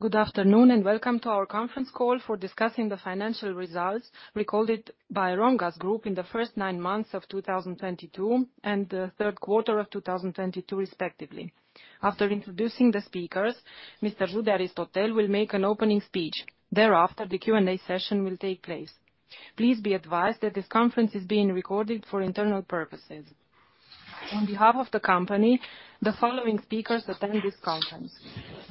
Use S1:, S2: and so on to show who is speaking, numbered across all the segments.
S1: Good afternoon, and welcome to our conference call for discussing the financial results recorded by Romgaz Group in the first nine months of 2022, and the third quarter of 2022 respectively. After introducing the speakers, Mr. Aristotel Jude will make an opening speech. Thereafter, the Q&A session will take place. Please be advised that this conference is being recorded for internal purposes. On behalf of the company, the following speakers attend this conference: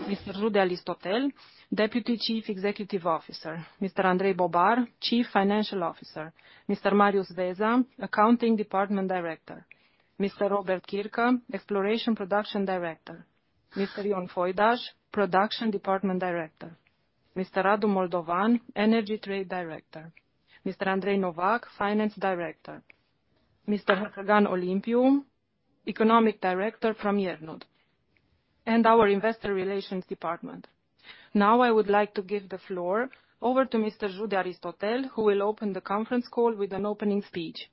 S1: Mr. Aristotel Jude, Deputy Chief Executive Officer. Mr. Andrei Bobar, Chief Financial Officer. Mr. Marius Veza, Accounting Department Director. Mr. Robert Chirca, Exploration Production Director. Mr. Ion Foidaș, Production Department Director. Mr. Radu Moldovan, Energy Trade Director. Mr. Andrei Novac, Finance Director. Mr. Olimpiu Hǎtǎgan, Economic Director from Iernut, and our Investor Relations Department. Now, I would like to give the floor over to Mr. Jude Aristotel, who will open the conference call with an opening speech.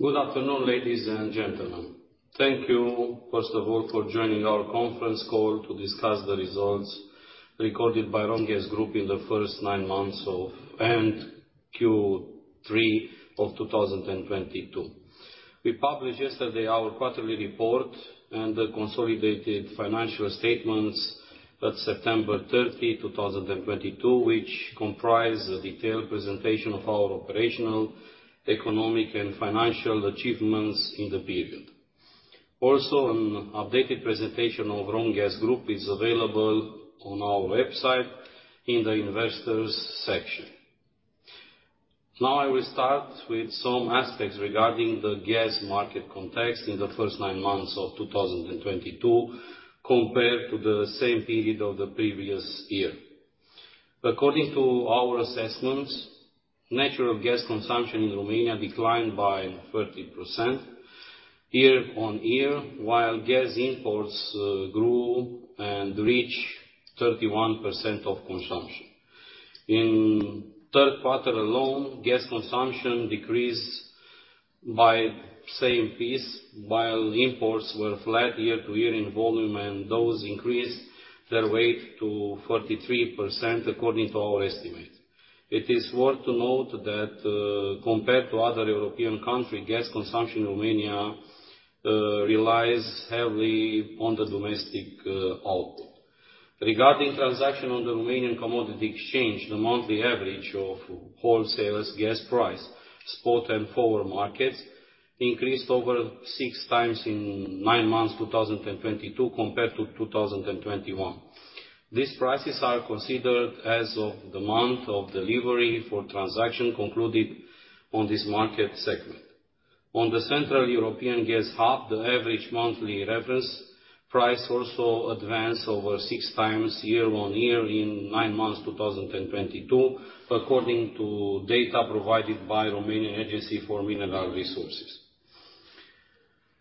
S2: Good afternoon, ladies and gentlemen. Thank you, first of all, for joining our conference call to discuss the results recorded by Romgaz Group in the first nine months of, and Q3 of 2022. We published yesterday our quarterly report and the consolidated financial statements at September 30, 2022, which comprise a detailed presentation of our operational, economic, and financial achievements in the period. An updated presentation of Romgaz Group is available on our website in the investors section. Now I will start with some aspects regarding the gas market context in the first nine months of 2022 compared to the same period of the previous year. According to our assessments, natural gas consumption in Romania declined by 30% year-on-year, while gas imports grew and reached 31% of consumption. In third quarter alone, gas consumption decreased by same pace, while imports were flat year-to-year in volume, and those increased their weight to 43% according to our estimate. It is worth noting that, compared to other European countries, gas consumption in Romania relies heavily on the domestic output. Regarding transactions on the Romanian Commodities Exchange, the monthly average of wholesale gas price, spot and forward markets increased over six times in nine months, 2022, compared to 2021. These prices are considered as of the month of delivery for transactions concluded on this market segment. On the Central European Gas Hub, the average monthly reference price also advanced over six times year-on-year in nine months 2022, according to data provided by National Agency for Mineral Resources.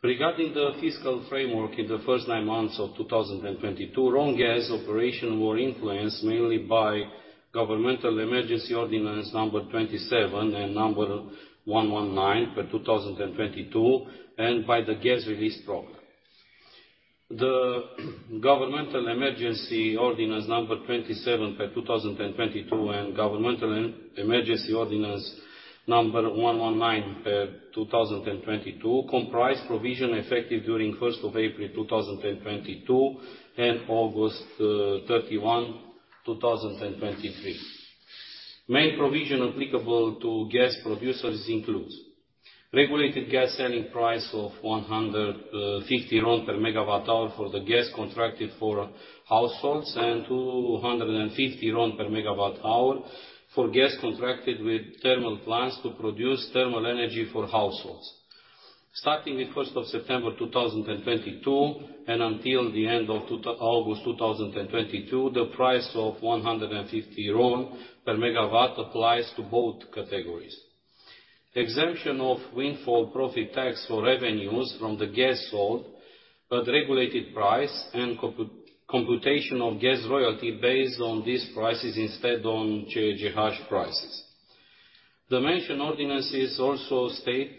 S2: Regarding the fiscal framework in the first nine months of 2022, Romgaz operations were influenced mainly by Government Emergency Ordinance 27/2022 and 119/2022, and by the gas release program. Government Emergency Ordinance 27/2022 and Government Emergency Ordinance 119/2022 comprise provisions effective during 1st of April 2022 and August 31, 2023. Main provisions applicable to gas producers include regulated gas selling price of 150 RON per megawatt-hour for the gas contracted for households and RON 250 per megawatt-hour for gas contracted with thermal plants to produce thermal energy for households. Starting the first of September 2022 and until the end of August 2022, the price of RON 150 per megawatt-hour applies to both categories. Exemption of windfall profit tax for revenues from the gas sold at regulated price and computation of gas royalty based on these prices instead of CEGH prices. The mentioned ordinances also state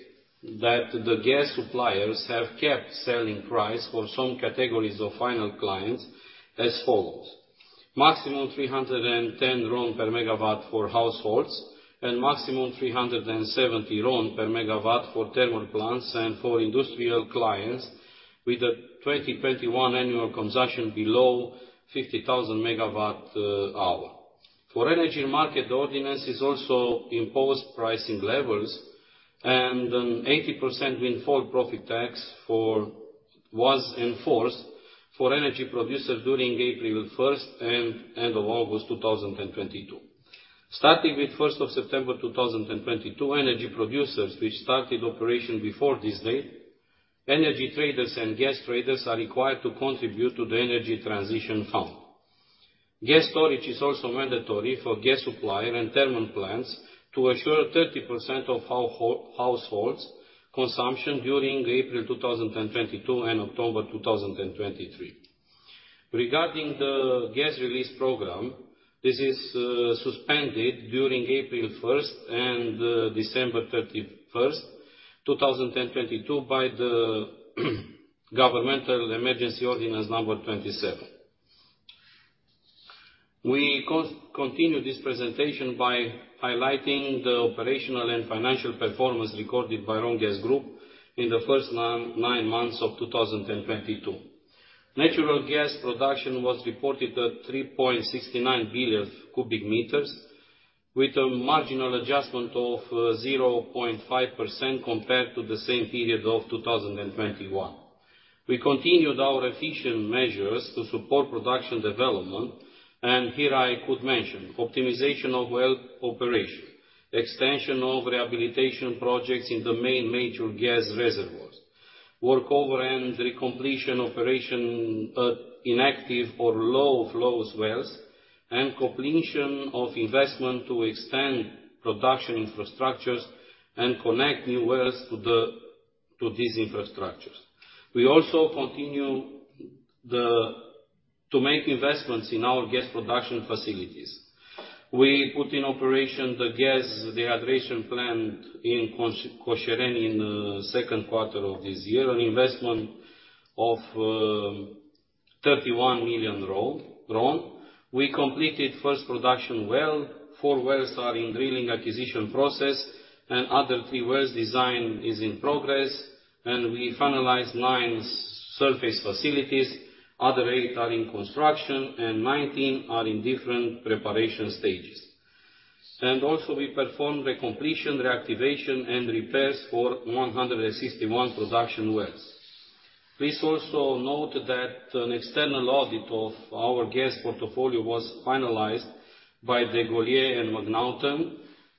S2: that the gas suppliers have to keep the selling price for some categories of final clients as follows: maximum RON 310 per megawatt-hour for households and maximum RON 370 per megawatt-hour for thermal plants and for industrial clients with a 2021 annual consumption below 50,000 MWh. For energy market, the ordinance is also imposed pricing levels and an 80% windfall profit tax was enforced for energy producers during April 1 and end of August 2022. Starting with September 1, 2022, energy producers which started operation before this date, energy traders and gas traders are required to contribute to the Energy Transition Fund. Gas storage is also mandatory for gas supplier and thermal plants to assure 30% of households consumption during April 2022 and October 2023. Regarding the gas release program. This is suspended during April 1st and December 31st, 2022 by the Government Emergency Ordinance 27/2022. We continue this presentation by highlighting the operational and financial performance recorded by Romgaz Group in the first nine months of 2022. Natural gas production was reported at 3.69 billion cubic meters with a marginal adjustment of 0.5% compared to the same period of 2021. We continued our efficient measures to support production development, and here I could mention optimization of well operation, extension of rehabilitation projects in the main major gas reservoirs, workover and recompletion operation at inactive or low flows wells, and completion of investment to extend production infrastructures and connect new wells to these infrastructures. We also continue to make investments in our gas production facilities. We put in operation the gas dehydration plant in Coșereni in second quarter of this year, an investment of RON 31 million. We completed first production well. Four wells are in drilling acquisition process, and other three wells design is in progress. We finalize nine surface facilities. Other eight are in construction, and 19 are in different preparation stages. Also, we perform recompletion, reactivation, and repairs for 161 production wells. Please also note that an external audit of our gas portfolio was finalized by DeGolyer and MacNaughton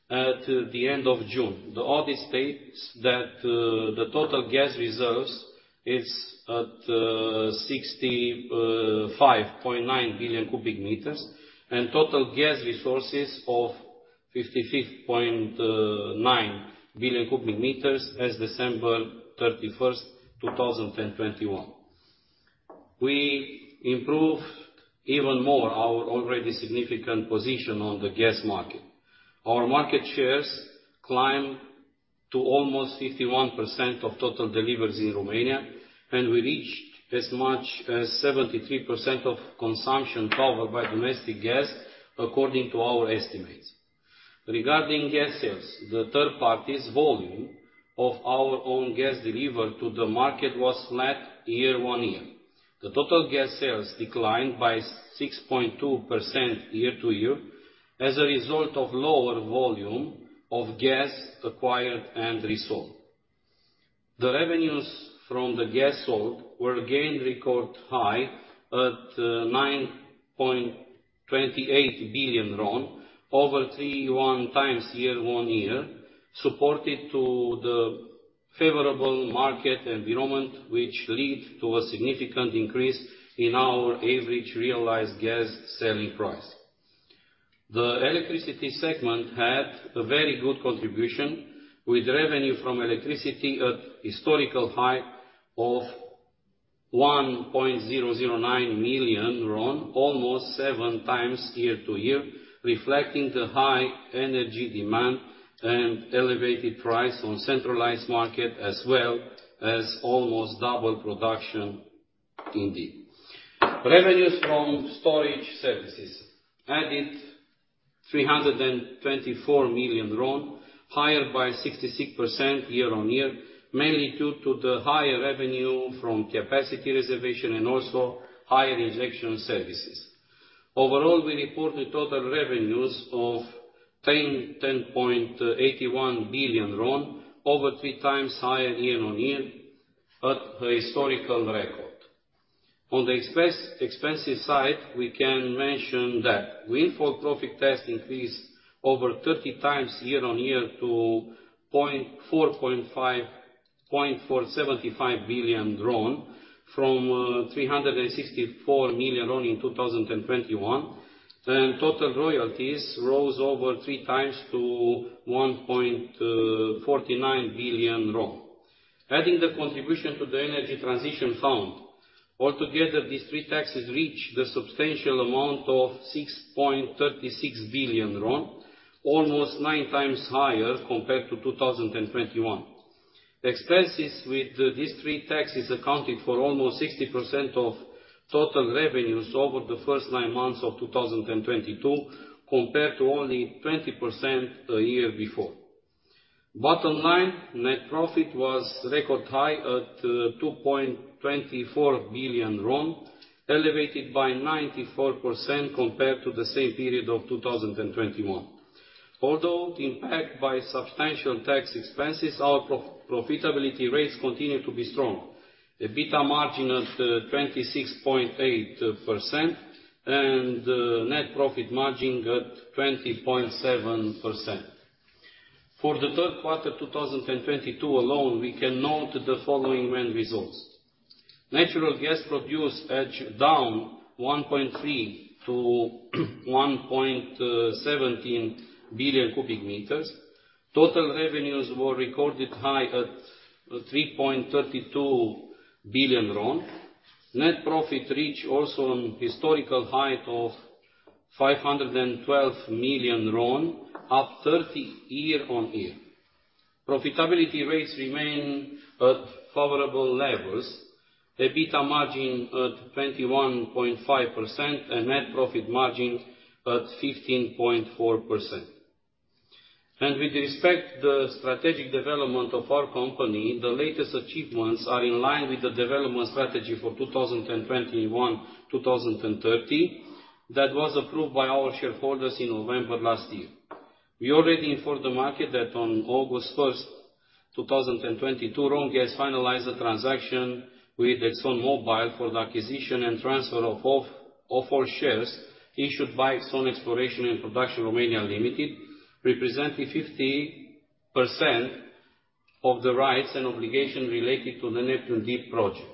S2: at the end of June. The audit states that the total gas reserves is at 65.9 billion cubic meters and total gas resources of 55.9 billion cubic meters as of December 31st, 2021. We improved even more our already significant position on the gas market. Our market shares climbed to almost 51% of total deliveries in Romania, and we reached as much as 73% of consumption covered by domestic gas, according to our estimates. Regarding gas sales, the third party's volume of our own gas delivered to the market was flat year-over-year. The total gas sales declined by 6.2% year-over-year as a result of lower volume of gas acquired and resold. The revenues from the gas sold were again record high at RON 9.28 billion, over 3.1x year-over-year, supported by the favorable market environment which led to a significant increase in our average realized gas selling price. The electricity segment had a very good contribution with revenue from electricity at historical high of RON 1.009 million, almost seven times year-over-year, reflecting the high energy demand and elevated price on centralized market as well as almost double production indeed. Revenues from storage services added RON 324 million, higher by 66% year-on-year, mainly due to the higher revenue from capacity reservation and also higher injection services. Overall, we reported total revenues of RON 10.81 billion, over three times higher year-on-year at a historical record. On the expenses side, we can mention that windfall profit tax increased over thirty times year-on-year to RON 0.475 billion from RON 364 million in 2021. Total royalties rose over three times to RON 1.49 billion. Adding the contribution to the energy transition fund, altogether these three taxes reach the substantial amount of RON 6.36 billion, almost nine times higher compared to 2021. Expenses with these three taxes accounted for almost 60% of total revenues over the first nine months of 2022, compared to only 20% the year before. Bottom line, net profit was record high at RON 2.24 billion, elevated by 94% compared to the same period of 2021. Although impacted by substantial tax expenses, our profitability rates continue to be strong. EBITDA margin at 26.8% and net profit margin at 20.7%. For the third quarter 2022 alone, we can note the following results. Natural gas produced edged down 1.3 billion to 1.17 billion cubic meters. Total revenues were record high at RON 3.32 billion. Net profit reach also an historic high of RON 512 million, up 30% year-on-year. Profitability rates remain at favorable levels. EBITDA margin at 21.5% and net profit margin at 15.4%. With respect to the strategic development of our company, the latest achievements are in line with the development strategy for 2021-2030 that was approved by our shareholders in November last year. We already informed the market that on August 1st, 2022, Romgaz finalized the transaction with ExxonMobil for the acquisition and transfer of all four shares issued by ExxonMobil Exploration and Production Romania Limited, representing 50% of the rights and obligation related to the Neptun Deep project.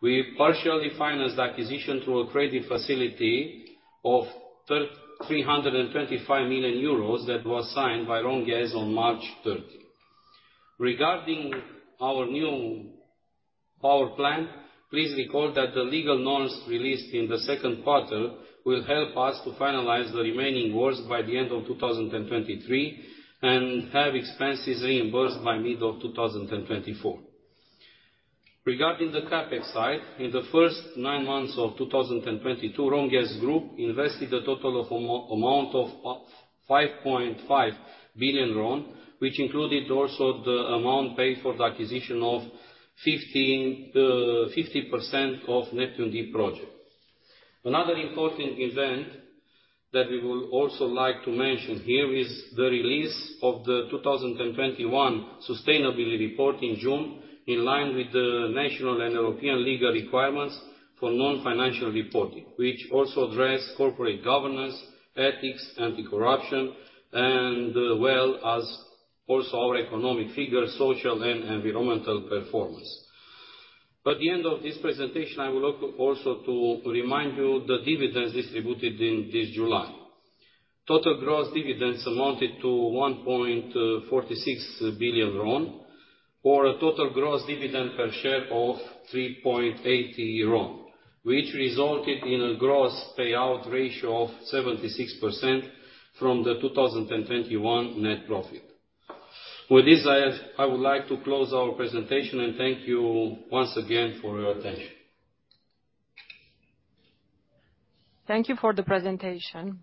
S2: We partially financed the acquisition through a credit facility of 325 million euros that was signed by Romgaz on March 30. Regarding our new power plant, please recall that the legal norms released in the second quarter will help us to finalize the remaining works by the end of 2023, and have expenses reimbursed by mid of 2024. Regarding the CapEx side, in the first nine months of 2022, Romgaz Group invested a total amount of RON 5.5 billion, which included also the amount paid for the acquisition of 50% of Neptun Deep project. Another important event that we would also like to mention here is the release of the 2021 sustainability report in June, in line with the national and European legal requirements for non-financial reporting. Which also address corporate governance, ethics, anti-corruption and, well, as also our economic figures, social and environmental performance. By the end of this presentation, I would like also to remind you the dividends distributed in this July. Total gross dividends amounted to RON 1.46 billion, or a total gross dividend per share of RON 3.80. Which resulted in a gross payout ratio of 76% from the 2021 net profit. With this, I would like to close our presentation, and thank you once again for your attention.
S1: Thank you for the presentation.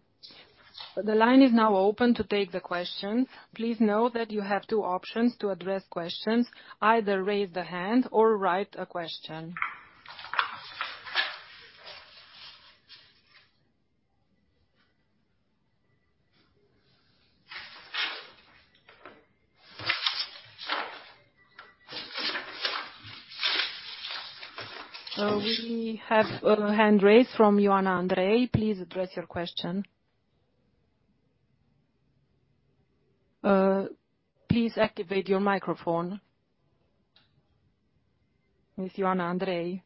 S1: The line is now open to take the questions. Please know that you have two options to address questions, either raise the hand or write a question. We have a hand raised from Ioana Andrei. Please address your question. Please activate your microphone. Miss Ioana Andrei.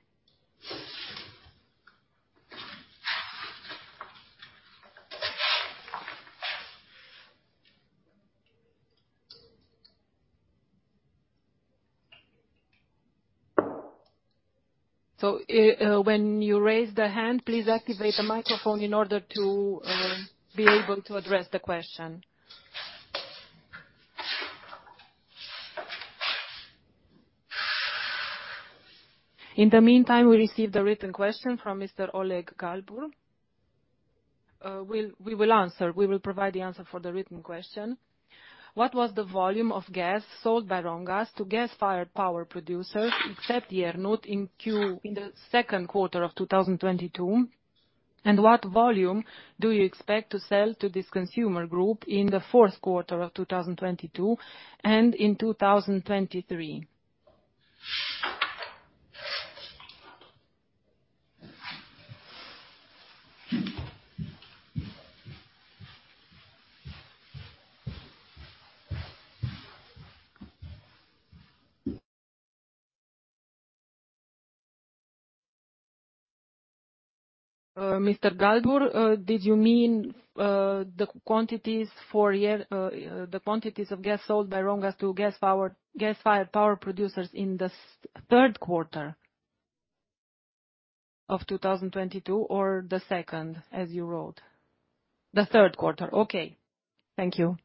S1: When you raise the hand, please activate the microphone in order to be able to address the question. In the meantime, we received a written question from Mr. Oleg Galbur. We'll answer. We will provide the answer for the written question. What was the volume of gas sold by Romgaz to gas-fired power producers, except Iernut, in the second quarter of 2022? And what volume do you expect to sell to this consumer group in the fourth quarter of 2022 and in 2023? Mr. Galbur, did you mean the quantities for year the quantities of gas sold by Romgaz to gas-fired power producers in the third quarter of 2022 or the second, as you wrote? The third quarter, okay. Thank you.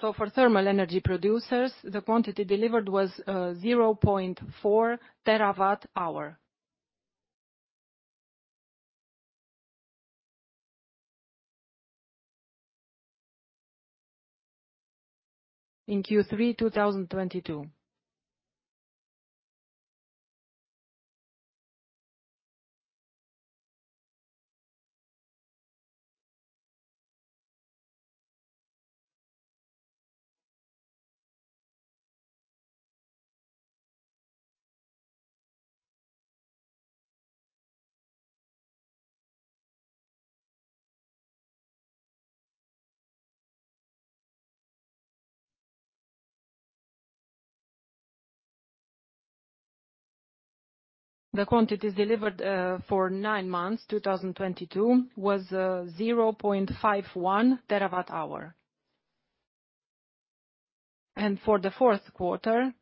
S1: For thermal energy producers, the quantity delivered was 0.4 TWh in Q3 2022. The quantities delivered for nine months, 2022, was 0.51 TWh. For the fourth quarter,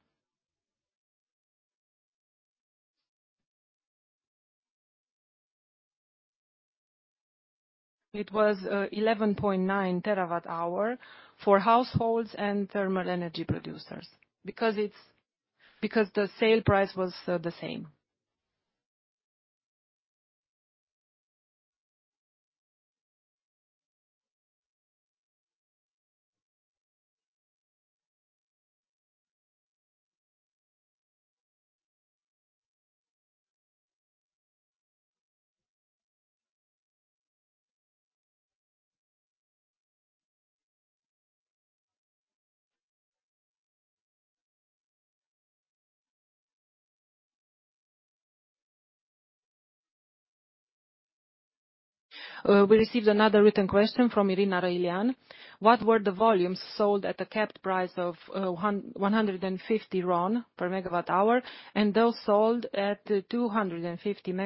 S1: it was 11.9 TWh for households and thermal energy producers because the sale price was the same. We received another written question from Irina Răilean. What were the volumes sold at a capped price of RON 150 per megawatt-hour, and those sold at RON 250 per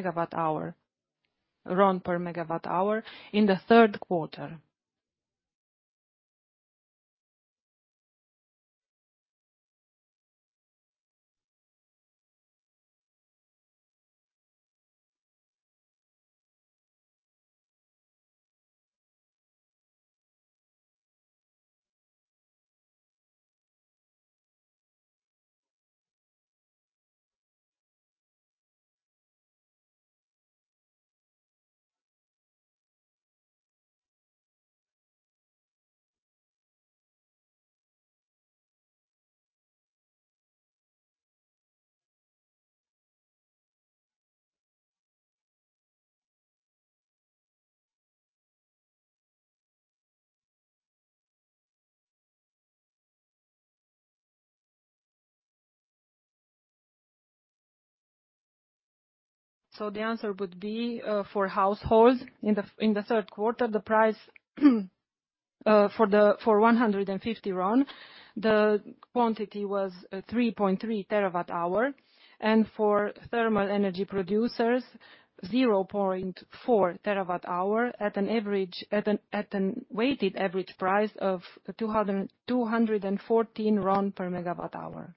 S1: megawatt-hour in the third quarter? The answer would be for households in the third quarter, the price for RON 150, the quantity was 3.3 TWh, and for thermal energy producers, 0.4 TWh at a weighted average price of RON 214 per megawatt-hour.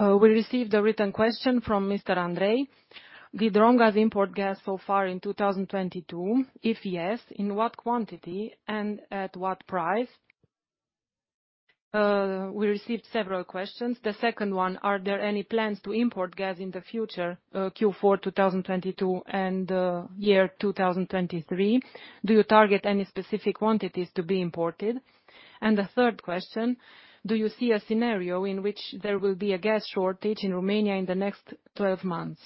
S1: We received a written question from Mr. Andrei. Did Romgaz import gas so far in 2022? If yes, in what quantity and at what price? We received several questions. The second one, are there any plans to import gas in the future, Q4 2022 and year 2023? Do you target any specific quantities to be imported? The third question, do you see a scenario in which there will be a gas shortage in Romania in the next twelve months?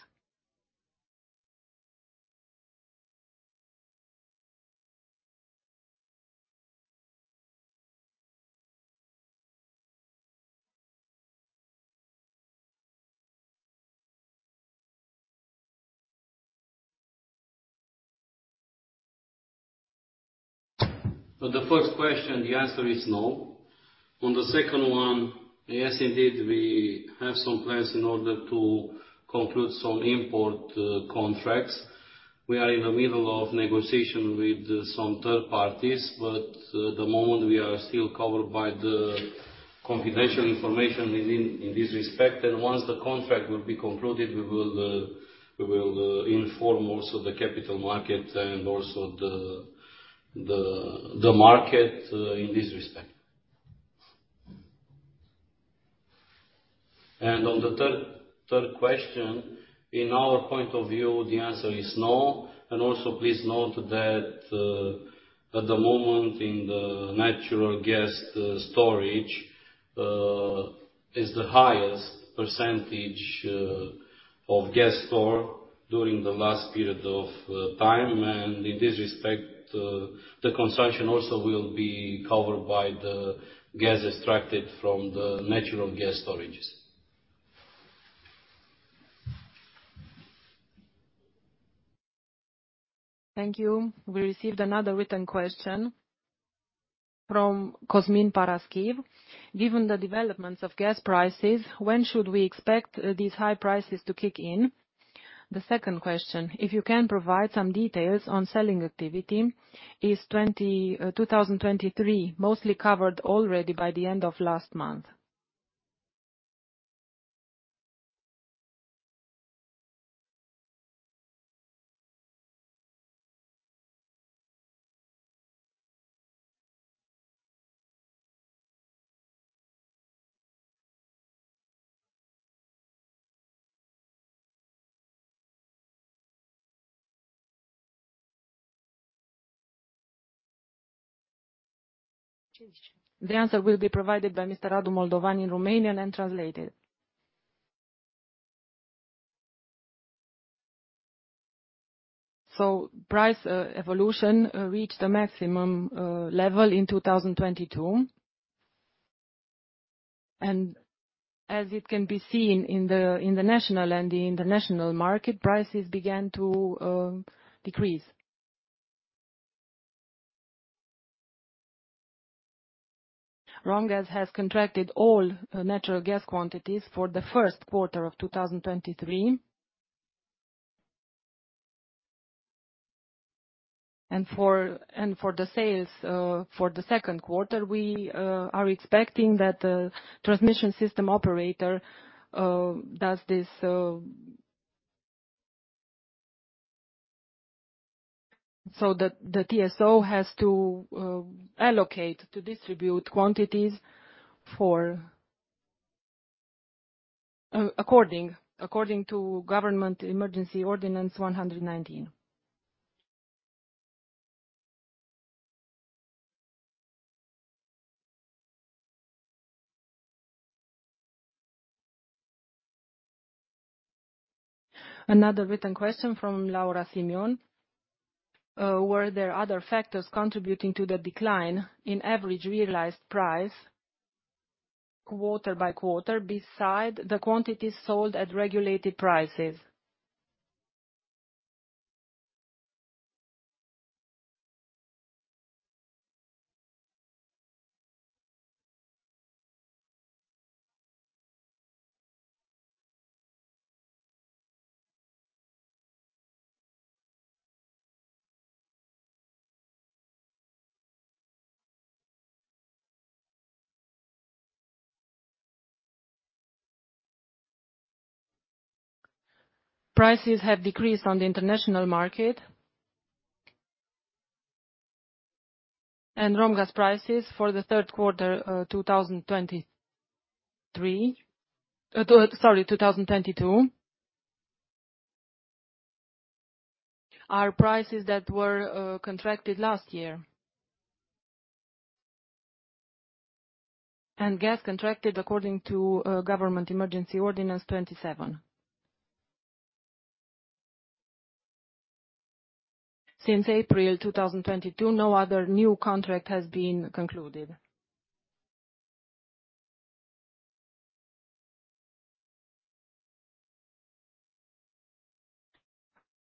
S2: For the first question, the answer is no. On the second one, yes, indeed, we have some plans in order to conclude some import contracts. We are in the middle of negotiation with some third parties, but at the moment we are still covered by the confidential information in this respect. Once the contract will be concluded, we will inform also the capital market and also the market in this respect. On the third question, in our point of view, the answer is no. Please note that at the moment in the natural gas storage is the highest percentage of gas stored during the last period of time. In this respect, the consumption also will be covered by the gas extracted from the natural gas storages.
S1: Thank you. We received another written question from Cosmin Paraschiv. Given the developments of gas prices, when should we expect these high prices to kick in? The second question, if you can provide some details on selling activity, is 2023 mostly covered already by the end of last month? The answer will be provided by Mr. Radu Moldovan in Romanian and translated. Price evolution reached the maximum level in 2022. As it can be seen in the national and the international market, prices began to decrease. Romgaz has contracted all natural gas quantities for the first quarter of 2023. For the sales for the second quarter, we are expecting that the transmission system operator does this. The TSO has to allocate to distribute quantities according to Government Emergency Ordinance 119. Another written question from Laura Simion. Were there other factors contributing to the decline in average realized price quarter by quarter besides the quantities sold at regulated prices? Prices have decreased on the international market. Romgaz prices for the third quarter 2022 are prices that were contracted last year. Gas contracted according to Government Emergency Ordinance 27. Since April 2022, no other new contract has been concluded.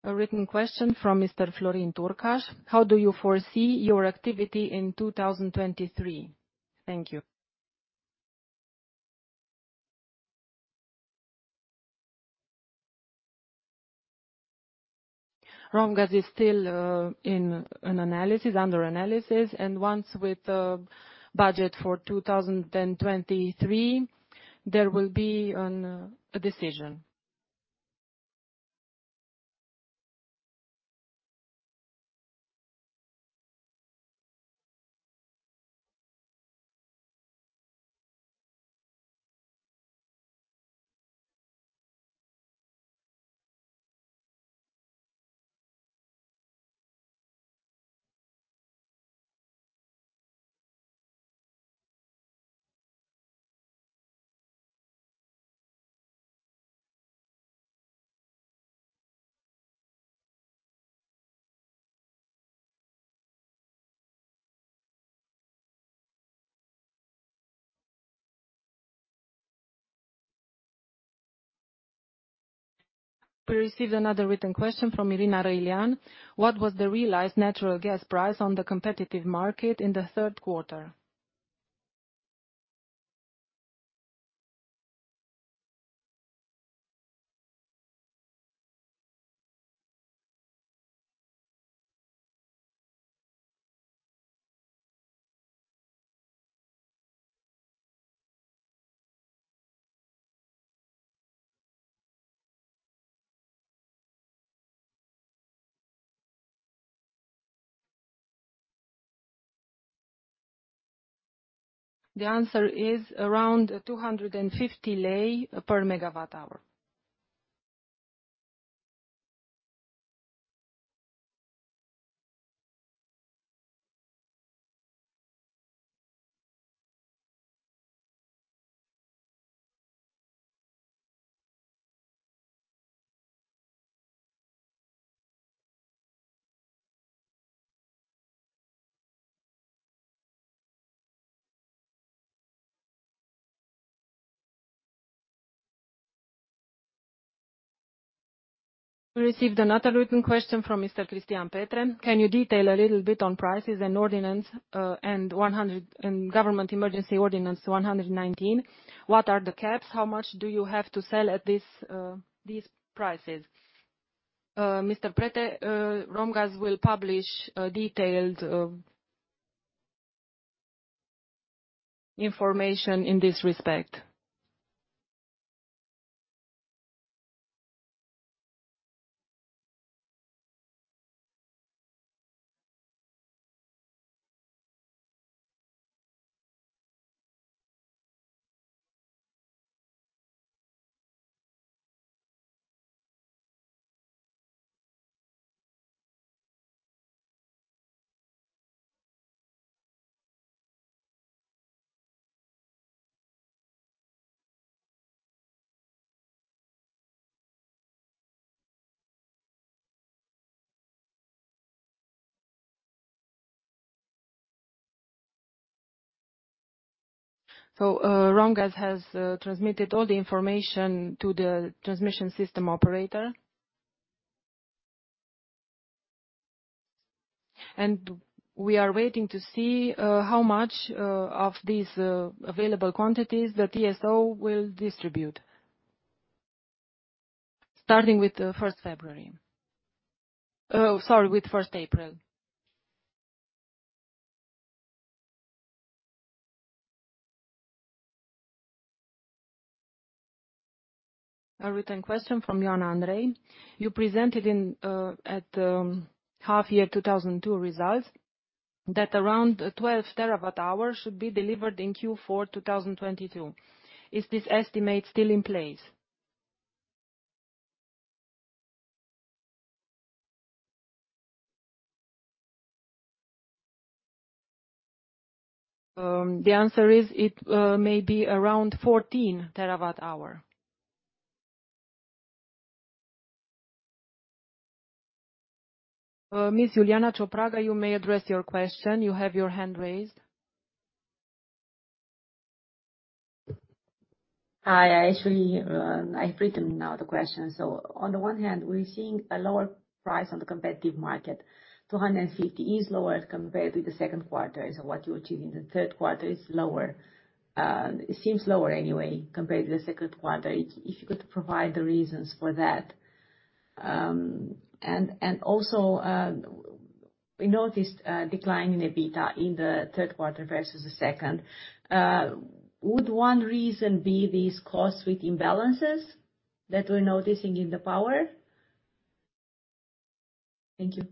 S1: A written question from Mr. Florin Turcaș. How do you foresee your activity in 2023? Thank you. Romgaz is still under analysis, and once with the budget for 2023, there will be a decision. We received another written question from Irina Răilean. What was the realized natural gas price on the competitive market in the third quarter? The answer is around RON 250 per MWh. We received another written question from Mr. Cristian Petre. Can you detail a little bit on prices and Government Emergency Ordinance 119? What are the caps? How much do you have to sell at this, these prices? Mr. Petre, Romgaz will publish detailed information in this respect. Romgaz has transmitted all the information to the transmission system operator. We are waiting to see how much of these available quantities the TSO will distribute, starting with 1st February. Oh, sorry, with 1st April. A written question from Ioana Andrei. You presented in half-year 2022 results that around 12 TWh should be delivered in Q4 2022. Is this estimate still in place? The answer is it may be around 14 TWh. Ms. Iuliana Ciopraga, you may address your question. You have your hand raised.
S3: Hi. Actually, I've written now the question. On the one hand, we're seeing a lower price on the competitive market. RON 250 is lower compared with the second quarter. What you achieve in the third quarter is lower. It seems lower anyway compared to the second quarter. If you could provide the reasons for that. And also, we noticed a decline in EBITDA in the third quarter versus the second. Would one reason be these costs with imbalances that we're noticing in the power? Thank you.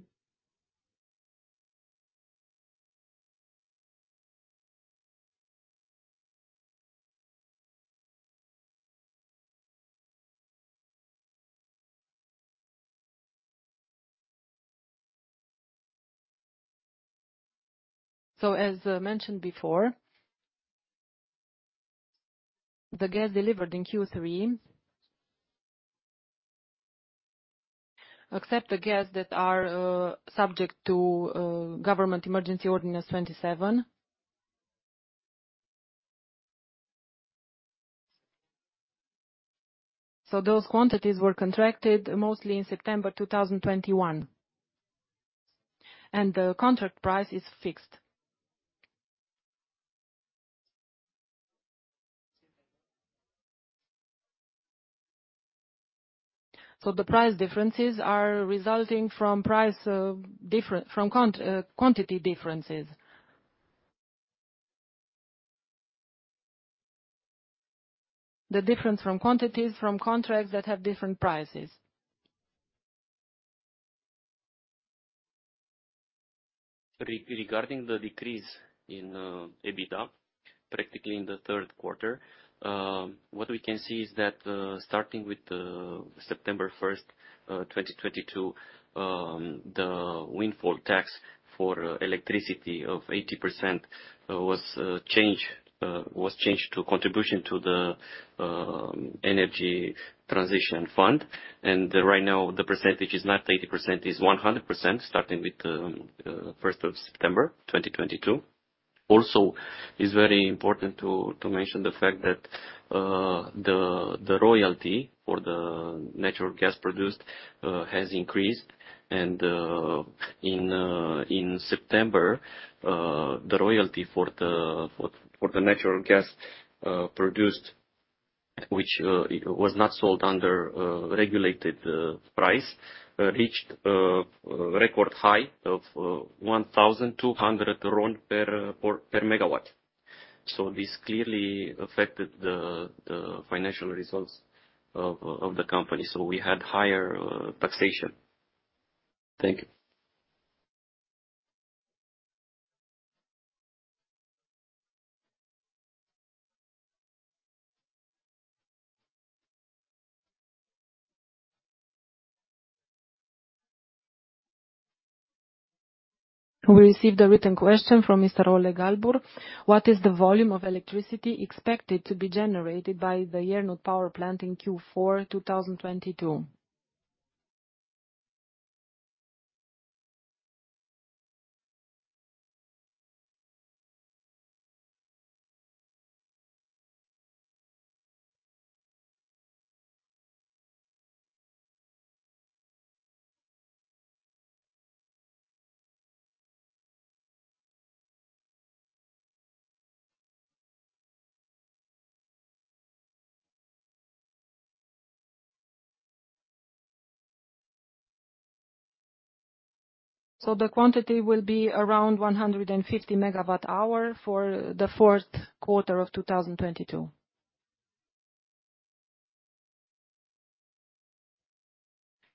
S1: As mentioned before, the gas delivered in Q3, except the gas that are subject to Government Emergency Ordinance 27. Those quantities were contracted mostly in September 2021, and the contract price is fixed. The price differences are resulting from quantity differences. The difference from quantities from contracts that have different prices.
S4: Regarding the decrease in EBITDA, practically in the third quarter, what we can see is that starting with September 1st, 2022, the windfall tax for electricity of 80% was changed to contribution to the Energy Transition Fund. Right now, the percentage is not 80%, is 100%, starting with 1st September 2022. Also, it's very important to mention the fact that the royalty for the natural gas produced has increased. In September, the royalty for the natural gas produced, which was not sold under a regulated price, reached a record high of RON 1,200 per megawatt. This clearly affected the financial results of the company. We had higher taxation. Thank you.
S1: We received a written question from Mr. Oleg Galbur. What is the volume of electricity expected to be generated by the Iernut Power Plant in Q4 2022? The quantity will be around 150 MWh for the fourth quarter of 2022.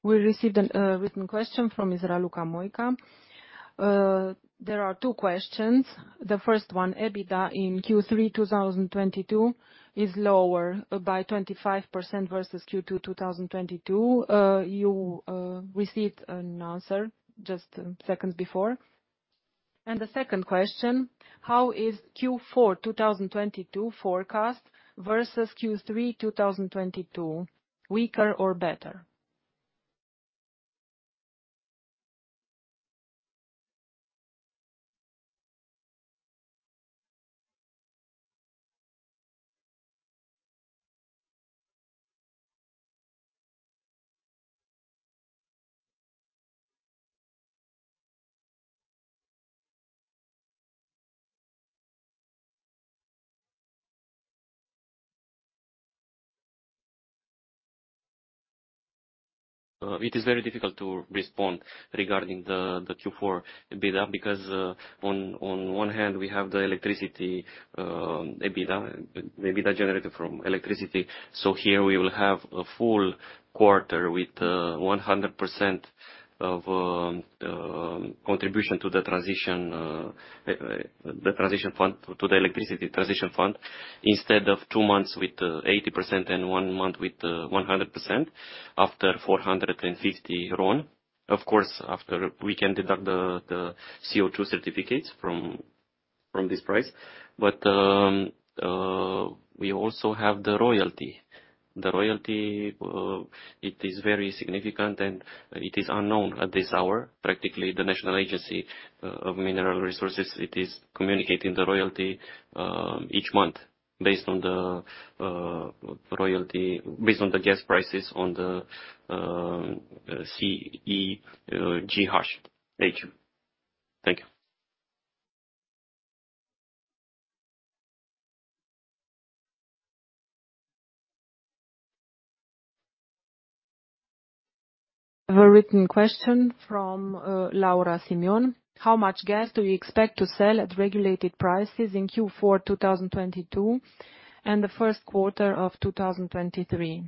S1: We received a written question from Israel Luca-Moica. There are two questions. The first one, EBITDA in Q3 2022 is lower by 25% versus Q2 2022. You received an answer just seconds before. The second question, how is Q4 2022 forecast versus Q3 2022, weaker or better?
S4: It is very difficult to respond regarding the Q4 EBITDA, because on one hand, we have the electricity EBITDA generated from electricity. Here we will have a full quarter with 100% of contribution to the electricity transition fund, instead of two months with 80% and one month with 100% after RON 450. Of course, after we can deduct the CO2 certificates from this price. We also have the royalty. The royalty it is very significant, and it is unknown at this hour. Practically, the National Agency for Mineral Resources it is communicating the royalty each month based on the gas prices on the CEGH. Thank you. Thank you.
S1: A written question from Laura Simion. How much gas do you expect to sell at regulated prices in Q4 2022 and the first quarter of 2023?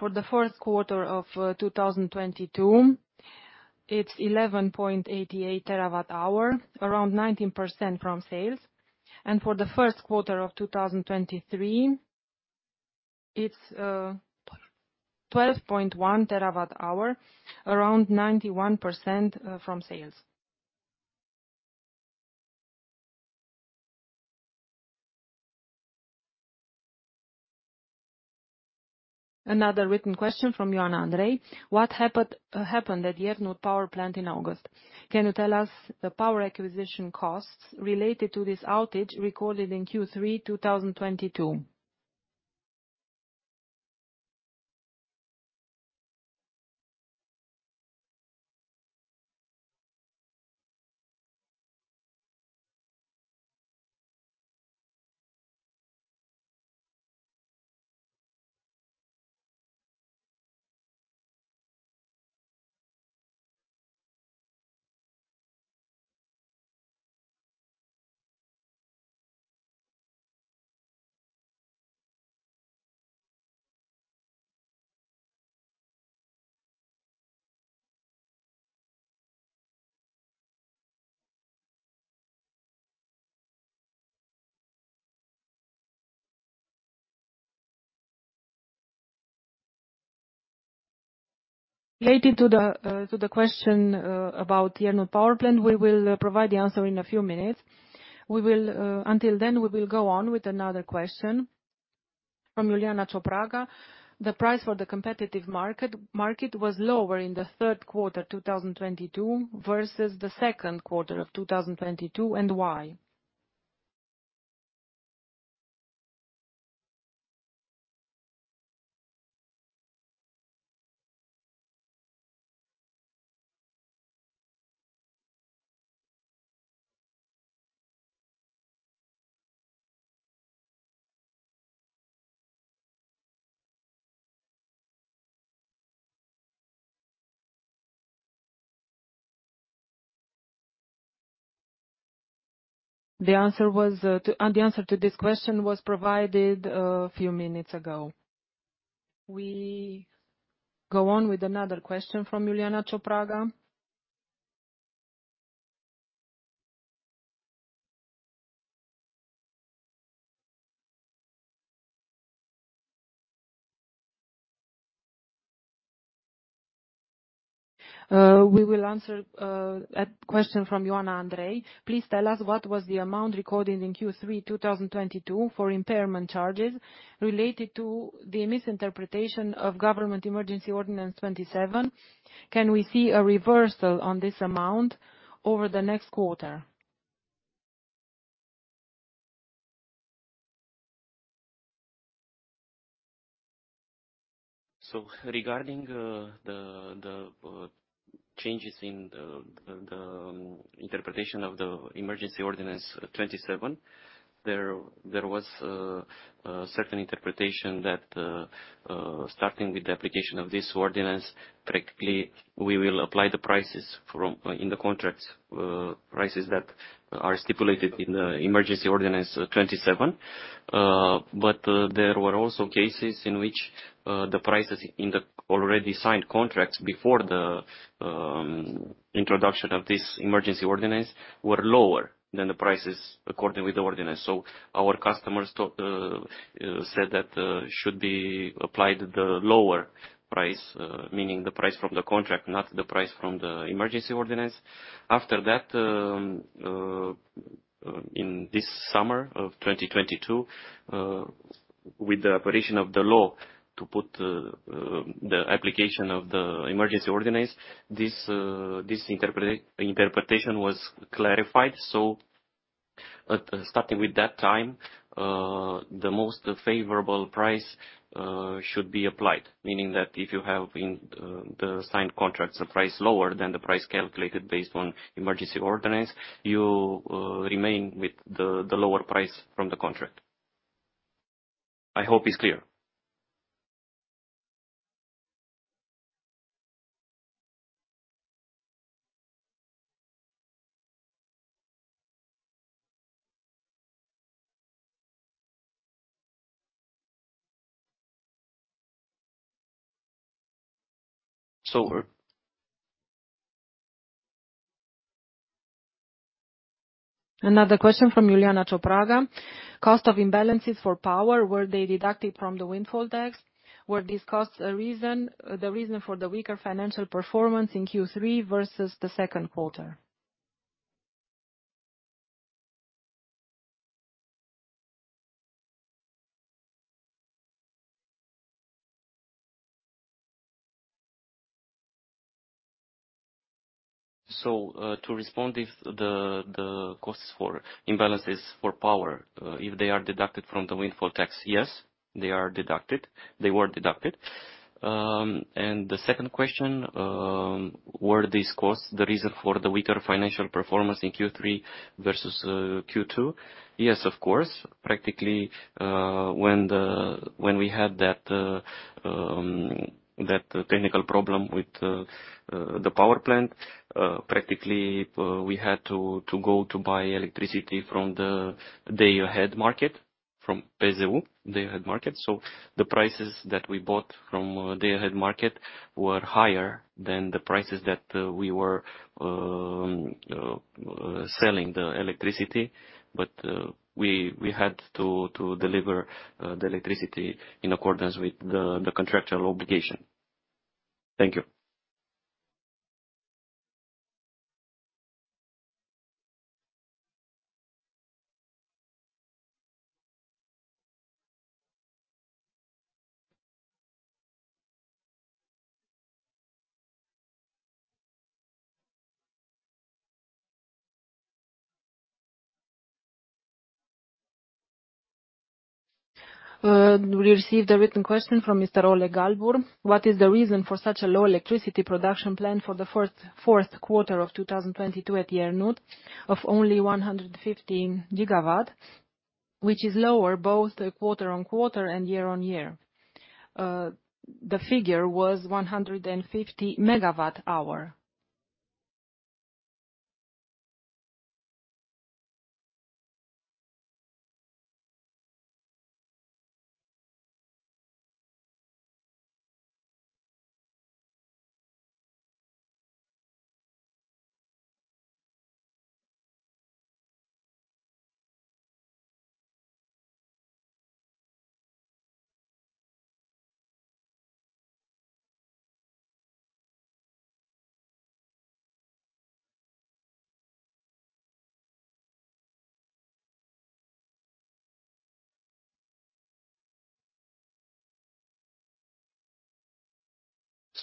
S1: For the first quarter of 2022, it's 11.88 terawatt hour, around 19% from sales. For the first quarter of 2023, it's,
S4: Twelve.
S1: 12.1 TWh, around 91% from sales. Another written question from Ioana Andrei. What happened at Iernut Power Plant in August? Can you tell us the power acquisition costs related to this outage recorded in Q3 2022? Related to the question about Iernut Power Plant, we will provide the answer in a few minutes. Until then, we will go on with another question from Iuliana Ciopraga. The price for the competitive market was lower in the third quarter 2022 versus the second quarter of 2022, and why? The answer to this question was provided a few minutes ago. We go on with another question from Iuliana Ciopraga. We will answer a question from Ioana Andrei. Please tell us what was the amount recorded in Q3 2022 for impairment charges related to the misinterpretation of Government Emergency Ordinance 27. Can we see a reversal on this amount over the next quarter?
S4: Regarding the changes in the interpretation of the emergency ordinance 27, there was a certain interpretation that starting with the application of this ordinance, practically, we will apply the prices in the contracts, prices that are stipulated in the emergency ordinance 27. There were also cases in which the prices in the already signed contracts before the introduction of this emergency ordinance were lower than the prices according to the ordinance. Our customers said that should be applied the lower price, meaning the price from the contract, not the price from the emergency ordinance. After that, in this summer of 2022, with the appearance of the law to put the application of the emergency ordinance, this interpretation was clarified. starting with that time, the most favorable price should be applied. Meaning that if you have in the signed contracts a price lower than the price calculated based on emergency ordinance, you remain with the lower price from the contract. I hope it's clear. It's over.
S1: Another question from Iuliana Ciopraga. Cost of imbalances for power, were they deducted from the windfall tax? Were these costs the reason for the weaker financial performance in Q3 versus the second quarter?
S4: To respond, if the costs for imbalances for power, if they are deducted from the windfall tax, yes, they are deducted. They were deducted. The second question, were these costs the reason for the weaker financial performance in Q3 versus Q2? Yes, of course. Practically, when we had that technical problem with the power plant, practically, we had to go to buy electricity from the day-ahead market, from OPCOM day-ahead market. The prices that we bought from day-ahead market were higher than the prices that we were selling the electricity, but we had to deliver the electricity in accordance with the contractual obligation. Thank you.
S1: We received a written question from Mr. Oleg Galbur. What is the reason for such a low electricity production plan for the fourth quarter of 2022 at Iernut of only 115 GWh, which is lower both quarter-on-quarter and year-on-year? The figure was 150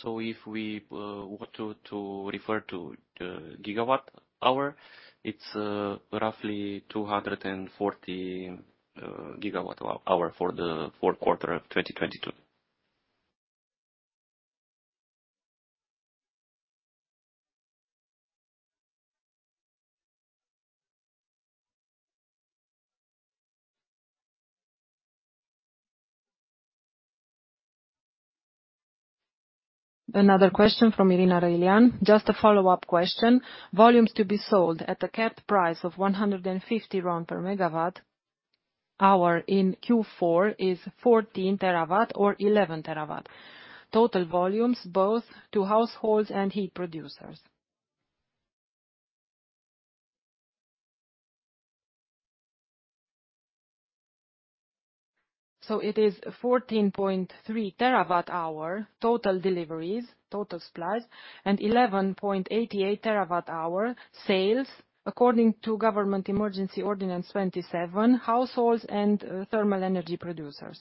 S1: GWh.
S4: If we want to refer to the gigawatt-hour, it's roughly 240 GWh for the fourth quarter of 2022.
S1: Another question from Irina Răilean. Just a follow-up question. Volumes to be sold at a capped price of 150 RON per MWh in Q4 is 14 TWh or 11 TWh. Total volumes, both to households and heat producers. It is 14.3 TWh total deliveries, total supplies, and 11.88 TWh sales according to Government Emergency Ordinance 27, households and thermal energy producers.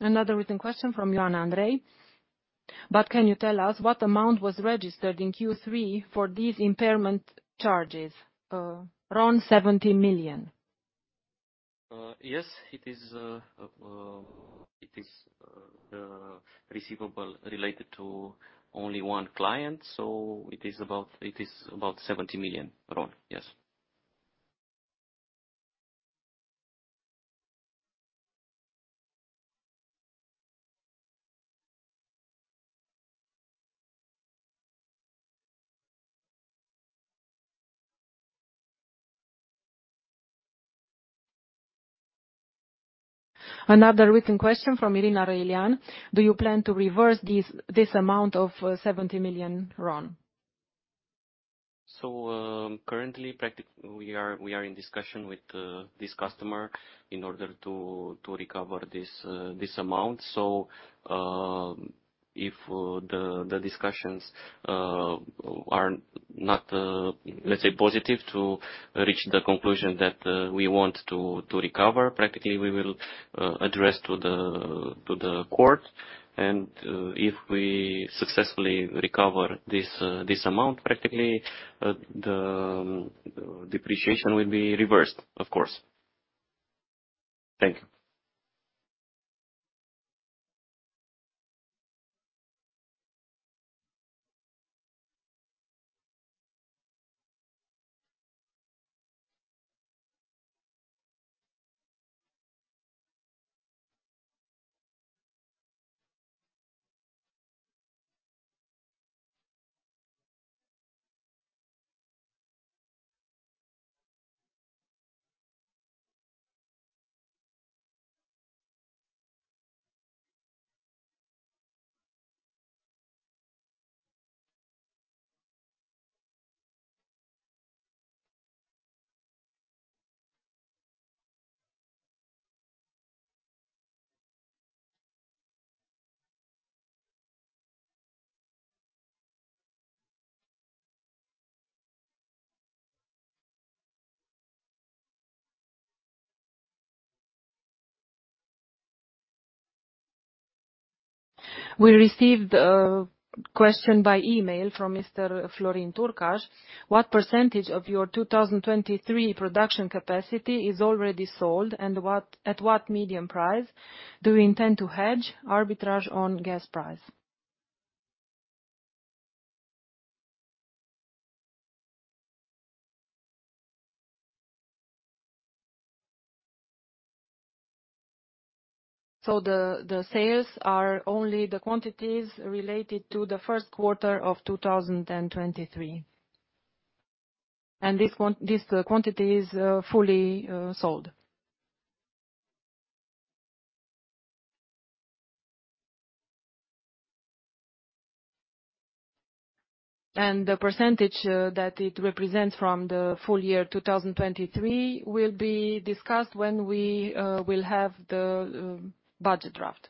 S1: Another written question from Ioana Andrei. Can you tell us what amount was registered in Q3 for these impairment charges? Around RON 70 million.
S4: Yes, it is receivable related to only one client, so it is about RON 70 million. Yes.
S1: Another written question from Irina Răilean. Do you plan to reverse this amount of RON 70 million?
S4: Currently, we are in discussion with this customer in order to recover this amount. If the discussions are not, let's say, positive to reach the conclusion that we want to recover, practically, we will address to the court. If we successfully recover this amount, practically, the depreciation will be reversed, of course. Thank you.
S1: We received a question by email from Mr. Florin Turcaș. What percentage of your 2023 production capacity is already sold, and at what medium price do you intend to hedge arbitrage on gas price? The sales are only the quantities related to the first quarter of 2023. This quantity is fully sold. The percentage that it represents from the full year 2023 will be discussed when we will have the budget draft.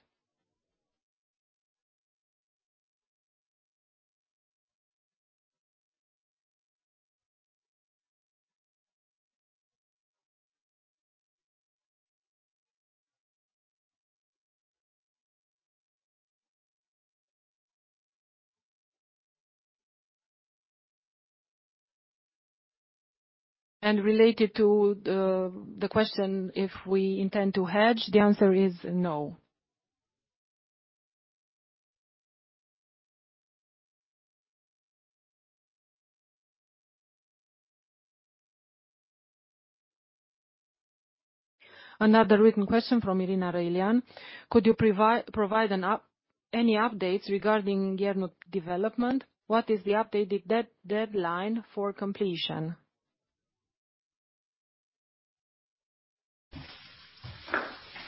S1: Related to the question, if we intend to hedge, the answer is no. Another written question from Irina Răilean. Could you provide any updates regarding Iernut development? What is the updated deadline for completion?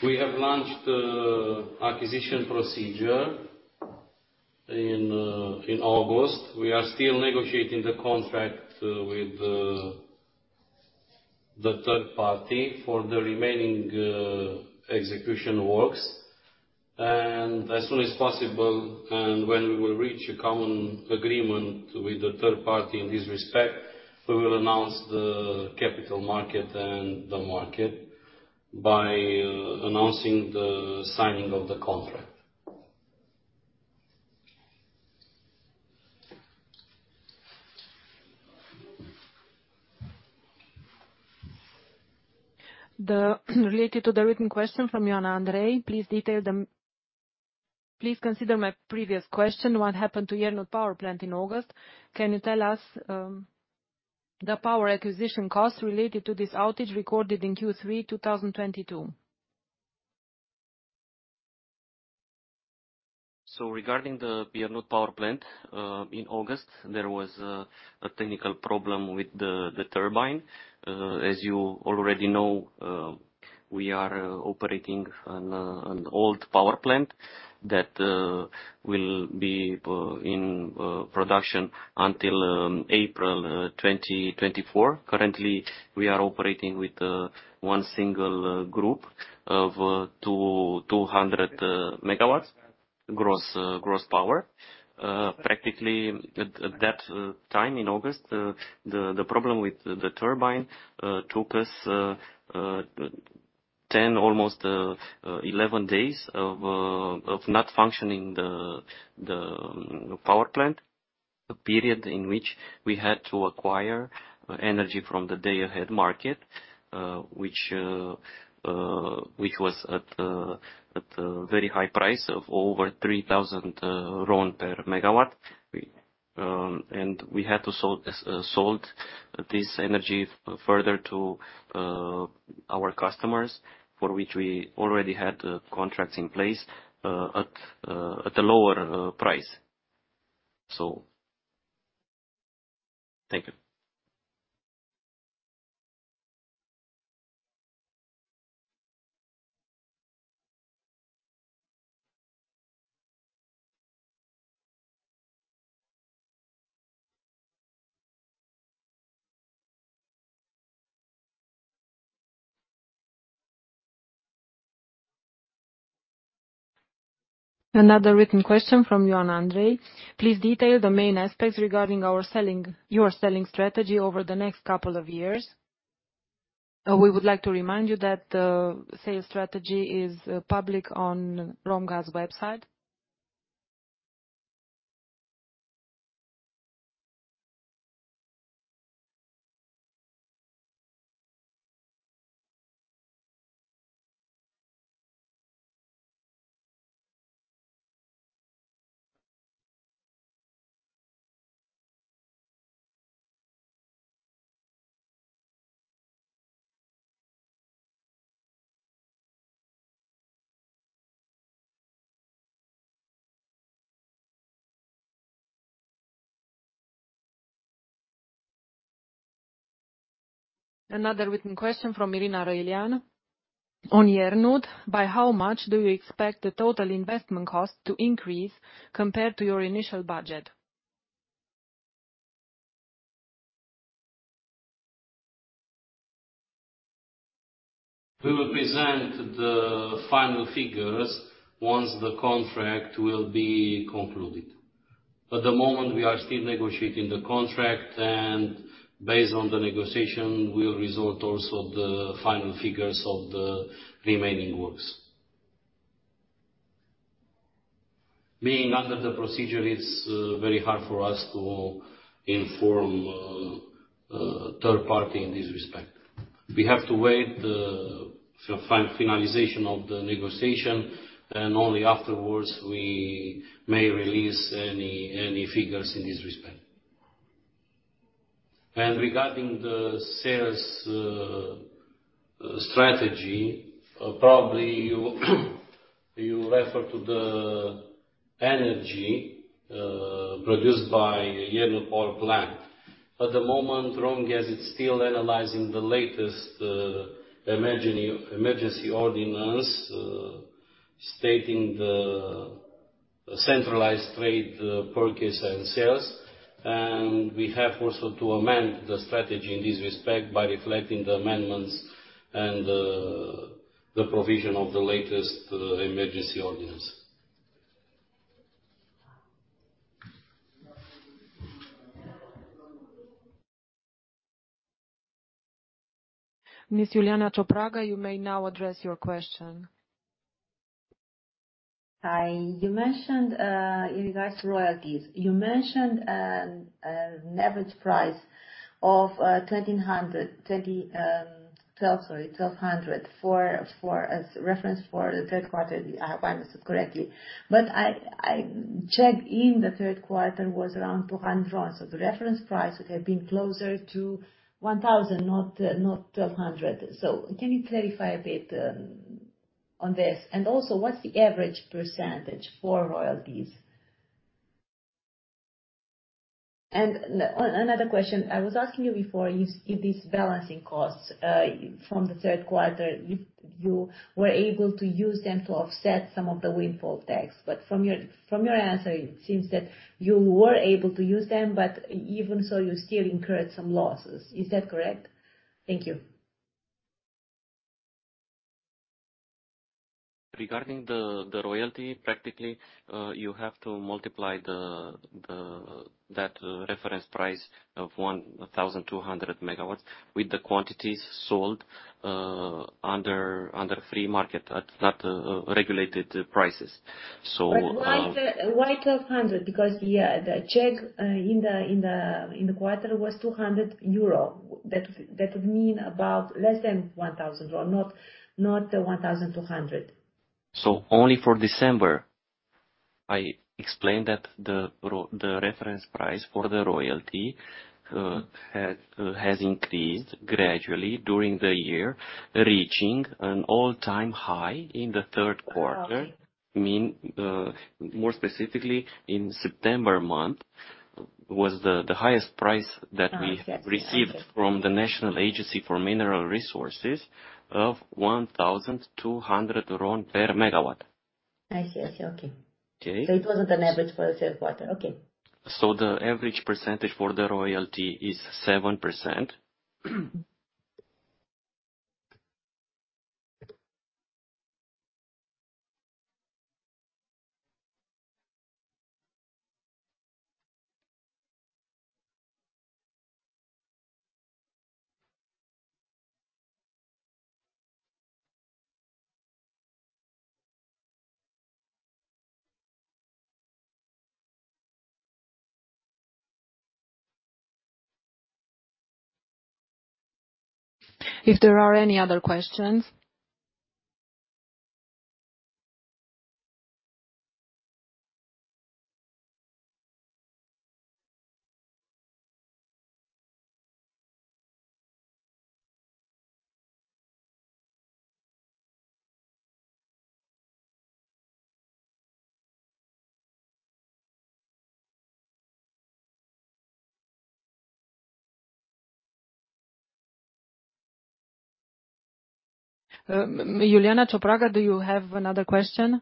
S2: We have launched the acquisition procedure in August. We are still negotiating the contract with the third party for the remaining execution works. As soon as possible, and when we will reach a common agreement with the third party in this respect, we will announce the capital market and the market by announcing the signing of the contract.
S1: Related to the written question from Ioana Andrei. Please consider my previous question, what happened to Iernut power plant in August? Can you tell us the power acquisition cost related to this outage recorded in Q3 2022?
S4: Regarding the Iernut Power Plant, in August, there was a technical problem with the turbine. As you already know, we are operating an old power plant that will be in production until April 2024. Currently, we are operating with one single group of 200 MW gross power. Practically at that time in August, the problem with the turbine took us almost 11 days of not functioning the power plant. A period in which we had to acquire energy from the day-ahead market, which was at a very high price of over RON 3,000 per megawatt. We had to sell this energy further to our customers, for which we already had contracts in place, at a lower price. Thank you.
S1: Another written question from Ioana Andrei. Please detail the main aspects regarding your selling strategy over the next couple of years. We would like to remind you that sales strategy is public on Romgaz website. Another written question from Irina Răilean. On Iernut, by how much do you expect the total investment cost to increase compared to your initial budget?
S4: We will present the final figures once the contract will be concluded. At the moment, we are still negotiating the contract, and based on the negotiation, will result also the final figures of the remaining works. Being under the procedure, it's very hard for us to inform third party in this respect. We have to wait the finalization of the negotiation, and only afterwards we may release any figures in this respect. Regarding the sales strategy, probably you refer to the energy produced by Iernut Power Plant. At the moment, Romgaz is still analyzing the latest emergency ordinance stating the centralized trade purchase and sales. We have also to amend the strategy in this respect by reflecting the amendments and the provision of the latest emergency ordinance.
S1: Ms. Iuliana Ciopraga, you may now address your question.
S3: Hi. You mentioned in regards to royalties, you mentioned an average price of RON 1,200 as reference for the third quarter, if I understood correctly. I checked, in the third quarter was around RON 200. The reference price would have been closer to RON 1,000, not RON 1,200. Can you clarify a bit on this? Also, what's the average percentage for royalties? Another question. I was asking you before, these balancing costs from the third quarter, if you were able to use them to offset some of the windfall tax. From your answer, it seems that you were able to use them, but even so, you still incurred some losses. Is that correct? Thank you.
S4: Regarding the royalty, practically, you have to multiply that reference price of 1,200 MW with the quantities sold under free market, at non-regulated prices.
S3: Why 1,200? Because the check in the quarter was 200 euro. That would mean about less than 1,000, or not 1,200.
S4: Only for December, I explained that the reference price for the royalty has increased gradually during the year, reaching an all-time high in the third quarter.
S3: Okay.
S4: mean, more specifically, in September month was the highest price that we-
S3: I see.
S4: Received from the National Agency for Mineral Resources of RON 1,200 RON per megawatt.
S3: I see. Okay.
S4: Okay.
S3: It wasn't an average for the third quarter. Okay.
S4: The average percentage for the royalty is 7%.
S3: Mm-hmm.
S1: If there are any other questions. Iuliana Ciopraga, do you have another question?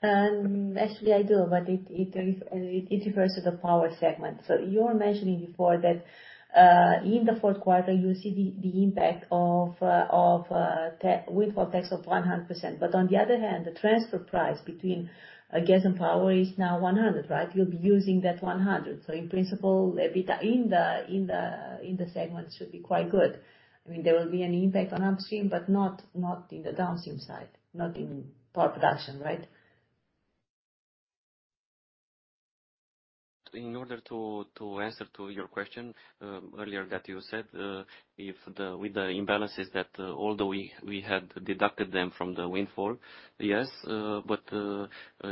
S3: Actually I do, but it refers to the power segment. You were mentioning before that, in the fourth quarter you'll see the impact of the windfall tax of 100%. On the other hand, the transfer price between gas and power is now 100, right? You'll be using that 100. In principle, EBITDA in the segment should be quite good. I mean, there will be an impact on upstream, but not in the downstream side, not in power production, right?
S4: In order to answer to your question earlier that you said, if the with the imbalances that, although we had deducted them from the windfall. Yes, but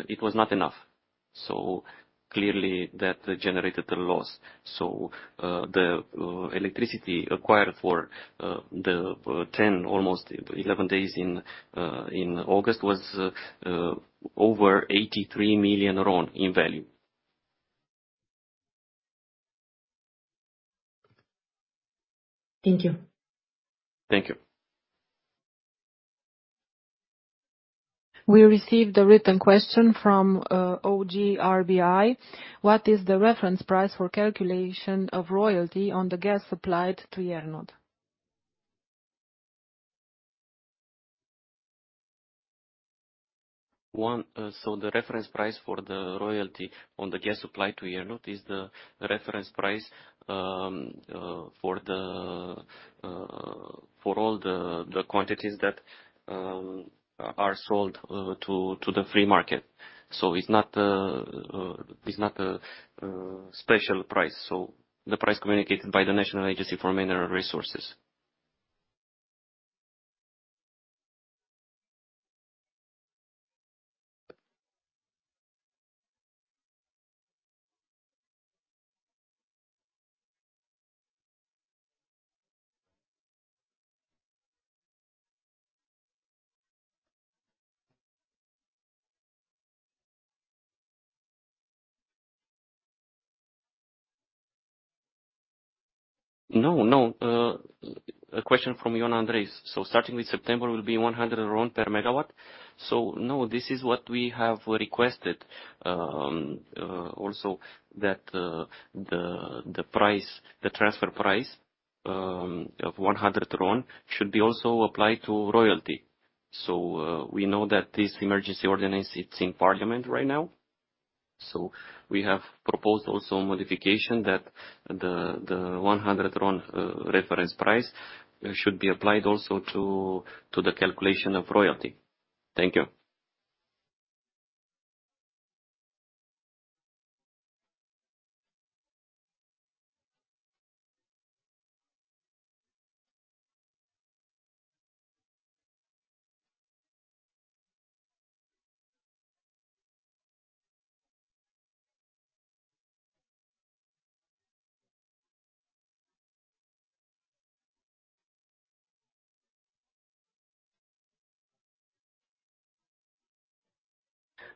S4: it was not enough. Clearly that generated a loss. The electricity acquired for the 10 almost 11 days in August was over RON 83 million in value.
S3: Thank you.
S4: Thank you.
S1: We received a written question from Oleg Galbur. What is the reference price for calculation of royalty on the gas supplied to Iernut?
S4: One, the reference price for the royalty on the gas supplied to Iernut is the reference price for all the quantities that are sold to the free market. It's not a special price. The price communicated by the National Agency for Mineral Resources. No, no. A question from Ioana Andrei. Starting with September will be RON 100 per megawatt. No, this is what we have requested, also that the price, the transfer price of RON 100 should be also applied to royalty. We know that this emergency ordinance is in parliament right now. We have proposed also a modification that the RON 100 reference price should be applied also to the calculation of royalty. Thank you.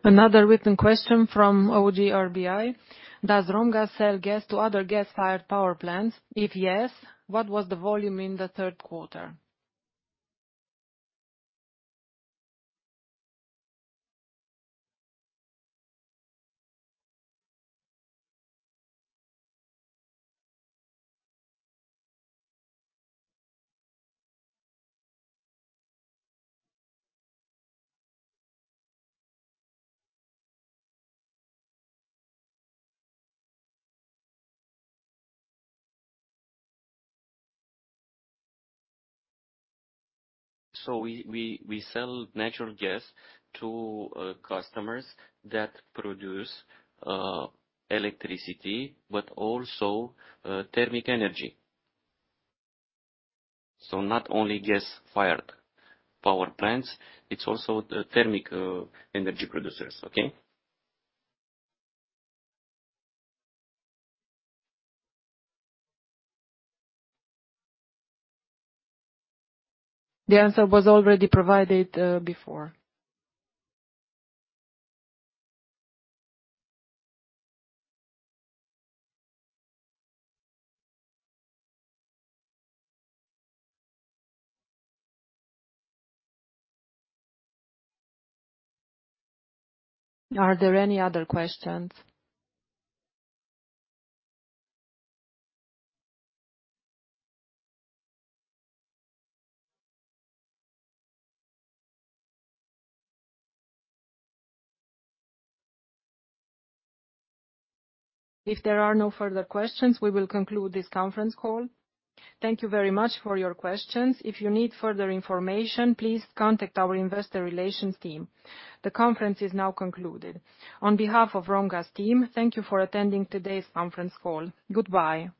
S1: Another written question from OGRBI. Does Romgaz sell gas to other gas-fired power plants? If yes, what was the volume in the third quarter?
S4: We sell natural gas to customers that produce electricity but also thermal energy. Not only gas-fired power plants, it's also the thermal energy producers. Okay?
S1: The answer was already provided before. Are there any other questions? If there are no further questions, we will conclude this conference call. Thank you very much for your questions. If you need further information, please contact our investor relations team. The conference is now concluded. On behalf of Romgaz team, thank you for attending today's conference call. Goodbye.